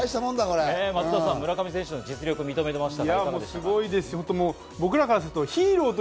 松田さん、村上選手の腕前を認めていましたが。